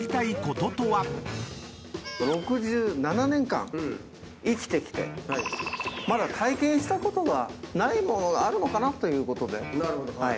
６７年間生きてきてまだ体験したことがないものあるのかな？ということで。